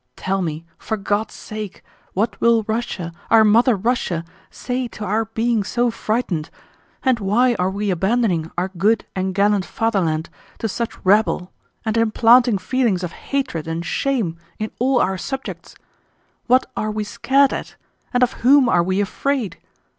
Tell me, for God's sake, what will Russia, our mother Russia, say to our being so frightened, and why are we abandoning our good and gallant Fatherland to such rabble and implanting feelings of hatred and shame in all our subjects? What are we scared at and of whom are we afraid?